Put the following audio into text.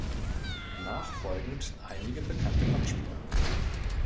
Nachfolgend einige bekannte Beispiele.